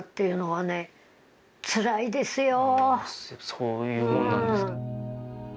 そういうものなんですか。